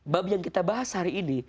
bab yang kita bahas hari ini